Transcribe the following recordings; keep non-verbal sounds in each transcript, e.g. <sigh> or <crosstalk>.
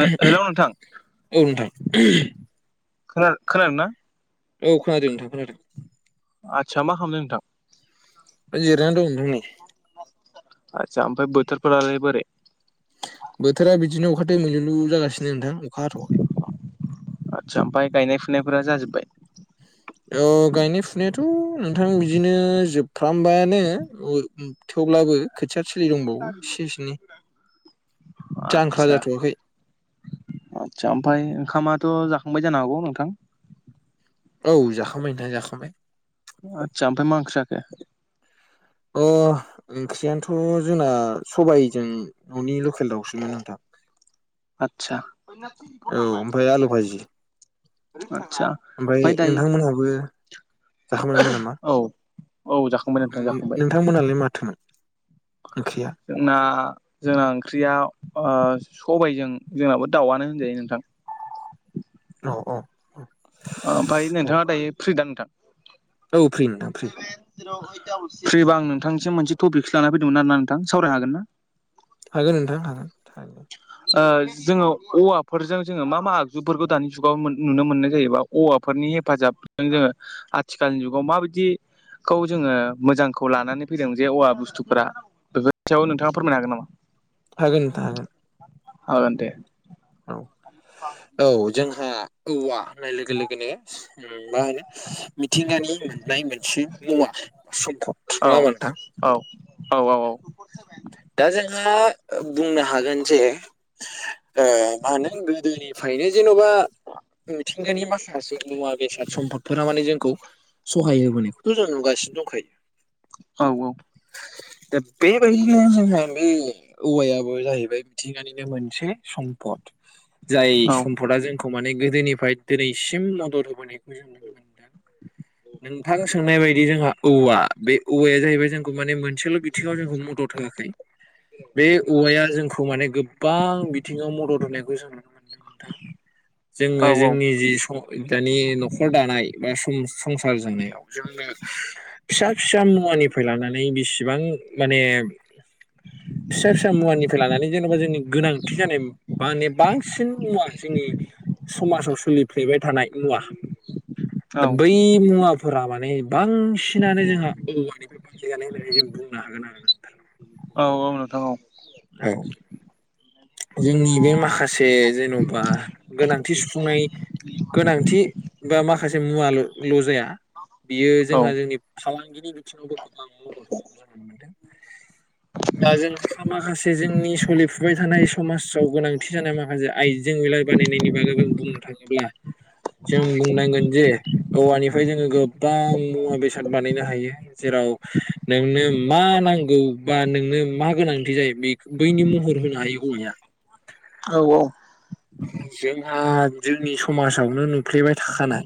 हेल नोंथां औ नोंथां खोना खोनादों ना औ खोनादों नोंथां खोनादों आदसा मा खालामदों नोंथां? जिरायनानै दं नोंथां नै। आदसा बोथोरफोरालाय बोरै बोथोरा बिदिनो अखा दोमैलुलु जागासिनो नोंथां अखा हाथवाखै। आदसा ओमफाय गायनाय फुनायफोरा जाजोबबाय? औ गायनाय फुनायाथ नोंथां बिदिनो जोबफ्रामबायानो ओ। थेवब्लाबो खोथिया थिलि दंबावो एसे एसेनि जांख्रा आदसा जाथवाखै। आदसा ओमफ्राय ओंखामाथ' जाखांबाय जानो हागौ नोंथां औ जाखांबाय नोंथां जाखांबाय आदसा ओमफ्राय मा ओंखिरि जाखो अ ओंख्रियाथ जोंना सबायजों ननि लकेल दाउसोमोन नोंथां। आदसा। औ ओमफ्राय आलु भाजि। आदसा ओमफ्राय दायो नोंथांमोनहाबो जाखांबायमोन नामा? औ औ जाखांबाय नोंथां जाखांबाय नोंथांमोनालाय माथोमोन ओंख्रिया? जोंना जोंना ओंख्रिया ओ सबायजों जोंनाबो दाउआनो होनजायो नोंथां। औ औ ओ ओमफ्राय औ नोंथाङा दायो फ्रिदा नोंथां? औ फ्रि नोथां फ्रि। फ्रिबा नोंथांनिसम मोनसे टपिकसो लाना फैदोंमोन आरो ना नोंथां सावरायनो हागोन ना? हागोन नोंथां हागोन। ओ जोङो औवाफोरजों जोङो मा मा आगजुफोरखौ दानि जुगाव नुनो मोननाय जायोबा? औवाफोरनि हेफाजाबजों जोङो आथिखालनि जुगाव माबायदि खौ जोङो मोजांखौ लानानै फैदों जे औवा बुस्थुफोरा बेफोर सायाव नोंथाङा फोरमायनो हागोन नामा? हागोन नोंथां। हागोन दे औ <unintelligible> औ जोंहा औवा होननाय लोगो लोगोनो मा होनो मिथिंगानि मोननाय मोनसे मुवा सम्फद। औ औ औ औ औ दा जोंहा बुंनो हागोन जे ओ मा होनो गोदोनिफ्रायनो जेनबा मिथि थिंगानि माखासे मुवा बेसाद सम्फदफोरा माने जोंखौ सहाय होबोनायखौथ जों नुगासिनो दंखायो। औ औ दा बेबायदिनो जोंहा बे औवायाबो जाहैबाय मिथिंगानि निनो मोनसे सम्पद जाय औ औ सम्पदा जों खौ माने गोदोनिफ्राय दिनैसिम मदद होबोनायखौ जों नुनो मोनदों। नोंथां सोंनाय बायदि जोंहा औवा बे औवाया जाहैबाय जोंखौ माने मोनसेल बिथिङाव जोंखौ मदद होआखै। बे औवाया जोंखौ माने गोबां बिथिङाव मदद होनायखौ जों नुनो मोनदों नोंथां। औ जोङो जोंनि जि सं दानि नखर दानाय बा संसार जानायाव जोंनो फिसा फिसा मुवानिफ्राय लानानै बिसिबां माने फिसा फिसा मुवानिफ्राय लानानै जेनबा जोंनि गोनांथि जानाय माने बांसिन मुवा जोंनि समाजाव सोलिफ्लेबाय थानाय मुवा औ दा बै मुवा फोरा माने बांसिनानो जोंहा औवा निफ्राय बानाय जानाय होननानै जों बुंनो हागोन आरो ना नोंथां। औ औ नोंथां औ औ जोंनि बे माखासे जेनबा गोनांथि सुफुंनाय गोनांथि बा माखासे मुवाल' जाया बियो औ जोंहा जोंनि फालांगिनि बिथिंयावबो गोबां मदद होनायखौ जों नुनो मोनो। दा जों माखासे जोंनि सोलिफुबाय थानाय समाजाव गोनांथि जानाय माखासे आइजें आइला बानायनायनि बागै जों बुंनो थाङोब्ला जों बुंनांगोनदि औवानिफ्राय जोङो गोबां मुवा बेसाद बानायनो हायो। जेराव नोंनो मा नांगौ बा नोंनो मा गोनांथि जायो बे बैनि महर होनो हायो औवाया। औ औ जोंहा जोंनि समाजावनो नुफ्लेबाय थाखानाय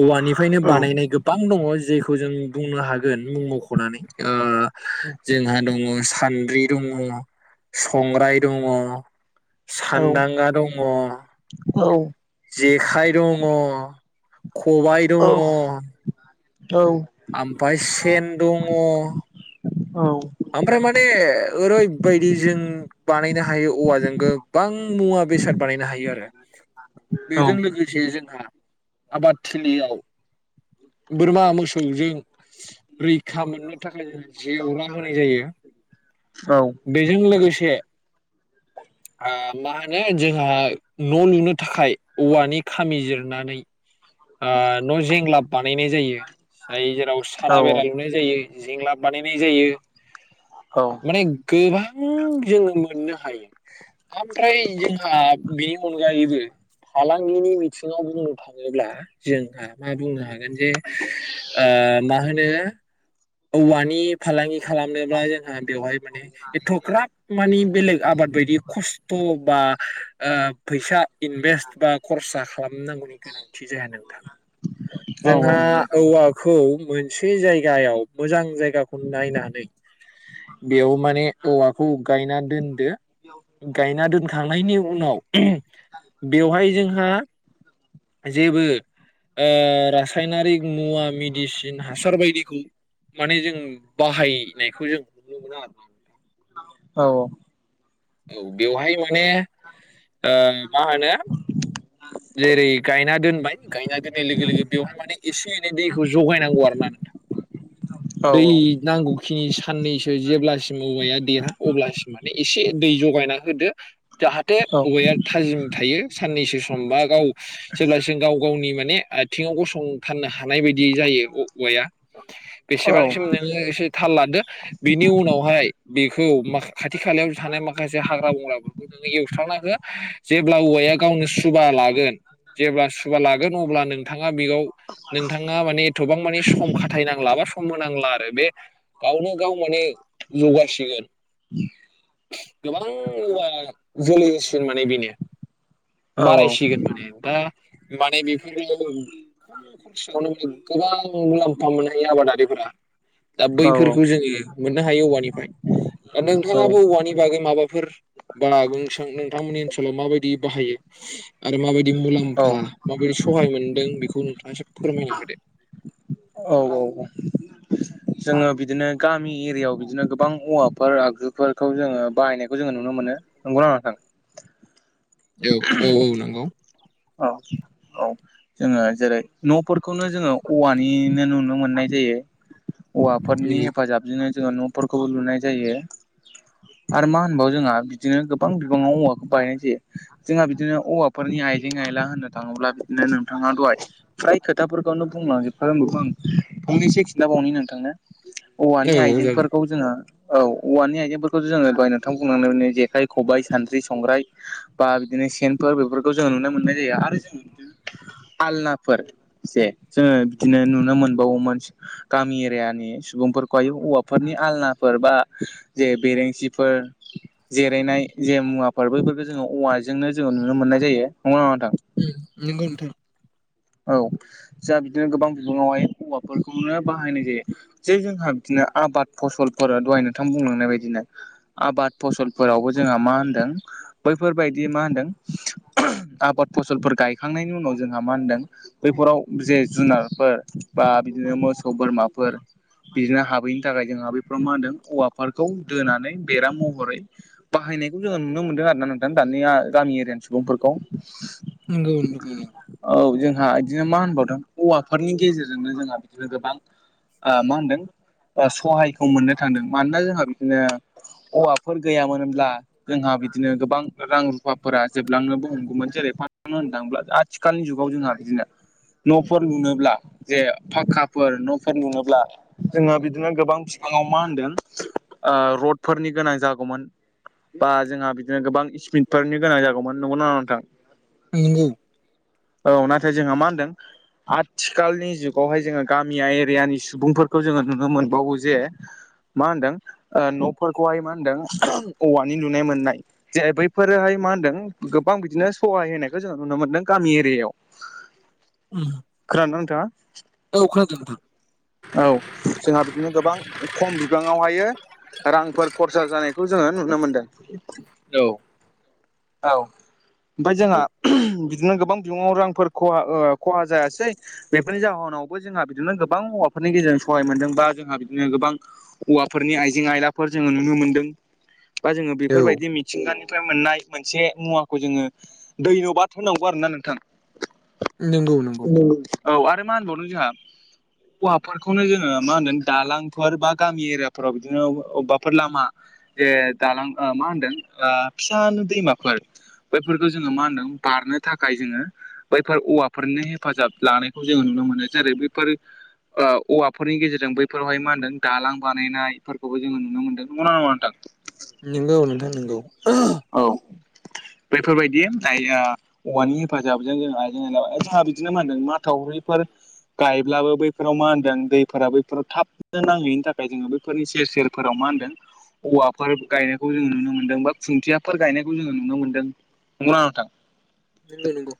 औवानिफ्रायनो बानायनाय गोब गोबां दङ जेखौ जों बुंनो हागोन मुं मख'नानै ओ जोंहा दङ सानद्रि दङ संग्राय दङ। सानदांगा दङ। औ। जेखाइ दङ खबाइ दङ औ औ। ओमफ्राय सेन दङ। औ। ओमफ्राय माने ओरैबायदि जों बानायनो हायो औवाजों गोबां मुवा बेसाद बानायनो हायो आरो। औ बेजों औ लोगोसे जोंहा आबादथिलियाव बोरमा मोसौजों रैखा मोननो थाखाय जों जेवरा होनाय जायो। बेजों लोगोसे ओ मा होनो जोंहा न' लुनो थाखाय औवानि खामि जिरनानै न' जेंलाब बानायनाय जायो। जाय जेराव सारा बेरा लुनाय जायो जिंलाब बानायनाय जायो। माने गोबां जोङो मोननो हायो। ओमफ्राय जोंहा बेनि अनगायैबो फालांगिनि बिथिङाव बुंनो थाङोब्ला जोंहा मा बुंनो हागोन जे मा होनो औवानि फालांगि खालामनोब्ला जोंहा बेवहाय माने। एथ'ग्राब माने बेलेग आबाद बायदि खस्थ' बा ओ फैसा इनभेस्ट बा खरसा खालामनांगौनि गोनांथि जाया नोंथां। औ नंगौ जोंहा नोंथां औ औवाखौ मोनसे जायगायाव मोजां जायगाखौ नायनानै। बेयाव माने औवाखौ गायना दोनदो। गायना दोनखांनायनि उनाव बेवहाय जोंहा जेबो रासायनारिक मुवा मेडिसिन हासार बायदिखौ माने जों बाहायनायखौ जों नुनो मोनो आरो ना। औ औ औ बेवहाय ओ माने मा होनो <unintelligible> जेरै गायना दोनबाय गायना दोननाय लोगो लोगो बेवहाय माने एसे एनै दैखौ जगायनांगौ आरो ना नोंथां। औ औ दै नांगौ खिनि साननैसो जेब्लासिम औवाया देरहा अब्लासिम माने एसे दै जगायना होदो जाहाथे औवाया थाजिम थायो साननैसो सम बा गाव जेब्लासो गाव गावनि माने आथिङाव गसंथारनो हानाय बायदि जायो औवाया बेसेबांसिम नोङो एसे थाल लादो। बेनि उनावहाय बेखौ मा खाथि खालायाव थानाय माखासे हाग्रा बंग्राफोरखौ नोङो एवस्रांना हो जेब्ला औवाया गावनो सुबा लागोन जेब्ला सुया लागोन अब्ला नोंथाङा बेगयाव नोंथाङा माने एथ'बां माने सम खाथायनांला बा सम होनांला आरो बे गावनो गाव माने जौगासिगोन गोबां औवा जोलैसिगोन माने बेनो। औ बारायसिगोन माने दा माने बेफोरो खनसेयावनो जों गोबां मुलाम्फा मोनोनहायो आबादारिफोरा। दा बैफोरखौ जोङो मोननो हायो औवानिफ्राय दा नोंथाङा बे औवानि बागै माबाफोर बा नोंथांमोननि ओनसोलाव माबायदि बाहायो आरो माबायदि मुलाम्फा माबायदि सहाय मोनदों बेखौ नोंथाङासो फोरमायना होदो। औ औ जोङो बिदिनो गामि एरियाायाव बिदिनो गोबां औवाफोर आगजुफोरखौ जोङो बाहायनायखौ जोङो नुनो मोनो। नंगौ ना नङा नोंथां? औ औ औ नंगौ। औ औ जोङो जेरै न'फोरखौनो जोङो औवानिनो नुनो मोननाय जायो। हौवाफोरनि हेफाजाबजोंनो जोङो न'फोरखौबो लुनाय जायो। आरो मा होनबाव जोंहा बिदिनो गोबां बिबाङाव औवाखौ बायनाय जायो। जोंहा बिदिनो हौवाफोरनि आइजें आयला होननो थाङोब्ला बिदिनो नोंथाङा दहाय फ्राय खोथाफोरखौनो बुंलांजोबखा नांगौ। ओं फंनैसो खिन्थाबावनि नोंथांनो। औवानि औ औ जागोन आइजेंफोरखौ जोंङो औ औवानि आइजेंफोरखौ जोङो दहाय नोंथांखौ बुंलांनाय <unintelligible> जेखाइ खबाइ सानद्रि संग्राइ बा बिदिनो सेनफोर बेफोरखौ जोङो नुनो मोननाय जायो आरो जोङो बिदिनो आलनाफोर जे जोङो बिदिनो नुनो मोनबावोमोन गामि एरियानि सुबुंफोरखौहायो औवाफोरनि आलनाफोर बा जे बेरेंसिफोर जिरायनाय जे मुवाफोर बैफोरखौ जोङो औवाजोंनो जोङो नुनो मोननाय जायो नंगौना नङा नोंथां? उम नंगौ नोंथां। औ जा बिदिनो गोबां बिबाङावहाय औवाफोरखौनो बाहायनाय जायो। जे जोंहा बिदिनो आबाद फसलफोरा दहाय नोंथां बुंलांनाय बायदिनो। आबाद फसलफोरावबो जोंहा मा होनदों बैफोरबायदि मा होनदों? आबाद फसलफोर गायखांनायनि उनाव जोंहा मा होनदों बैफोराव जे जुनारफोर बा बिदिनो मोसौ बोरमाफोर बिदिनो हाबैनि थाखाय जोंहााबैफ्राव मा होनदों औवाफोरखौ दोनानै बेराम महरै बाहायनायखौ जोङो नुनो मोनदों आरो ना नोंथां। दानिया गामि एरियानि सुबुंफोरखौ। नोंगौ <unintelligible> औ जोंहा इदिनो मा होनबावदों? औवाफोरनि गेजेरजोंनो जोंहा इदिनो गोबां आ मा होनदों सहायखौ मोननो थांदों मानोना जोंहा बिदिनो औवाफोर गैयामोनब्ला जोंहा बिदिनो गोबां रां रुफाफोरा जोबलांनोबो हमगौमोन जेरैनो होननो थाङोब्ला आथिखालनि जुगाव जोंहा बिदिनो न'फोर लुनोब्ला जे फाखाफोर न'फोर लुनोब्ला जोङो बिदिनो गोबां फिफाङाव मा होनदों ओ रडफोरनि गोनां जागौमोन। बा जोंहा बिदिनो गोबां स्पिडफोरनि गोनां जागौमोन नंगौ ना नङा नोंथां? <unintelligible> औ नाथाय जोंहा मा होनदों आथिखालनि जुगावहाय जोङो गामिया एरियानि सुबुंफोरखौ जोङो नुनो मोनबावो जे मा होनदों न'फोरखौहाय मा होनदों औवानि नुनाय मोननाय जे बैफोरहाय मा होनदों गोबां बिदिनो सहाय होनायखौ जोङो नुनो मोन्दों गामि एरिया आव। खानादोंना नोंथाङा? औ खोनादों नोंथां औ जोंहा बिदिनो गोबां खम बिबाङावहायो रांफोर खरसा जानायखौ जोङो नुनो मोनदों। औ औ ओमफाय जोंहा बिदिनो गोबां बिबङाव रां फोर खहा ओ खहा जायासै बेफोरनि जाहोनावबो जोंहा बिदिनो गोबां <unintelligible> बे फोरनि गेजेरजों सहाय मोनदों बा जोंहा बिदिनो गोबां औवाफोरनि आइजें आयलाफोर जोङो नुनो मोनदों बा जोङो औ बेफोरबायदि मिथिंगानिफ्राय मोननाय मोनसे मुवाखौ जोङो दैलबाद होनांगौ आरो ना नोंथां। नंगौ नंगौ औ आरो मा होनबावदों जोंहा? औवाफोरखौनो जोङो मा होनदों दालांफोर बा गामि एरियाफोराव बिदिनो अबेबाफोराव लामा ए दालां मा होनदों फिसा दैमाफोर बैफोरखौ जोङो मा होनदों बारनो थाखाय जोङो बैफोर औवाफोरनि हेफाजाब लानायखौ जोङो नुनो मोनो जेरै बेैफोर ओ औवाफोरनि गेजेरजों बैफोरावहाय मा होनदों दालां बानायनायफोरखौबो जोङो नुनो मोन्दों नंगौ ना नङा नोंथां? नंगौ नोंथां नंगौ। औ बेफोरबायदि औवानि हेफाजाबजों जों आइजें आइला जोंहा बिदिनो मा होनदों माथावरिफोर गायब्लाबो बै बेफोराव मा होनदों दैफोरा बैफोराव थाबनो नांहैनि थाखाय जोङो बैफोरनि सेर सेरफोराव मा होनदों औवाफोर गायनायखौ जोङो नुनो मोन्दों बा खुन्थियाफोर गायनायखौ जोङो नुनो मोन्दों। नंगौना नङा नोंथां नंगौ नंगौ।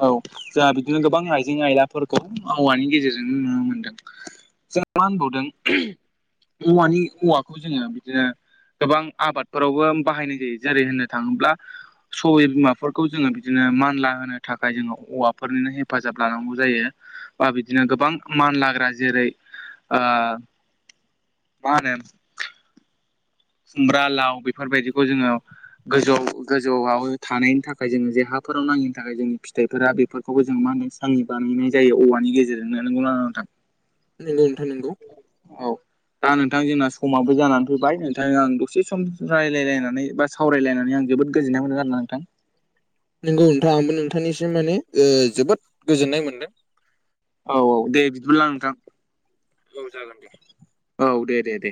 औ जोंहा बिदिनो गोबां आइजें आयलाफोरखौ औवानि गेजेरजों नुनो मोनदों जों मा होनबावदों औवानि औवाखौ जोङो बिदिनो गोबां आबादफोरावबो बाहायनाय जायो जेरै होननो थाङोब्ला सबाय बिमाफोरखौ जोङो बिदिनो मानला होनो थाखाय जोङो औवाफोरनिनो हेफाजाब लानांगौ जायो। बा बिदिनो गो बां मानलाग्रा जेरै ओ मा होनो खुमब्रा लाव बेफोरबायदिखौ जोङो गोजौआव गोजौआव थानायनि थाखाय जोङो जेहाफोराव नाङैनि थाखाय जोंनि फिथाइफोरा बेफोर खौबो जों मा होनदों सांनि बानायनाय जायो औवानि गेजेरजोंनो नोंगौ ना नोंथां? नंगौ नोंथां नोंगौ। औ दा नोंथां जोंना समाबो जानानै फैबाय नोंथां आं दसे सम रायलाय लायनानै बा सावरायलायनानै आं जोबोद गोजोननाय मोनदों आरोना नोंथां। नंगौ नोंथां आंबो नोंथांनिसिम माने जोबोद गोजोननाय मोनदों। औ औ दे बिदिब्ला नोंथां। औ जागोन दे। औ दे दे दे।